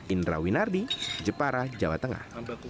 indra winardi jepara jawa tengah